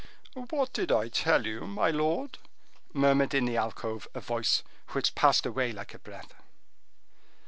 "What did I tell you, my lord?" murmured in the alcove a voice which passed away like a breath.